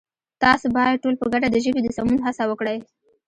تاسو بايد ټول په گډه د ژبې د سمون هڅه وکړئ!